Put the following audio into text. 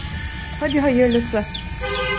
Hadi hayırlısı!